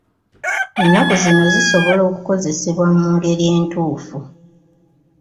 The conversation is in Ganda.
Ennaku zino zisobola okukozesebwa mu ngeri entuufu.